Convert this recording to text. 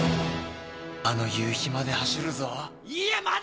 あの夕日まで走るぞ。